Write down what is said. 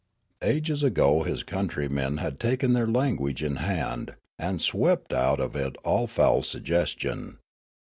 Ages ago his countrymen had taken their language in hand, and swept out of it all foul suggestion.